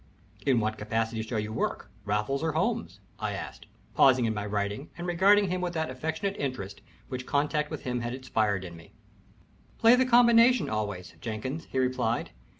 "In what capacity shall you work, Raffles or Holmes?" I asked, pausing in my writing and regarding him with that affectionate interest which contact with him had inspired in me. "Play the combination always, Jenkins," he replied.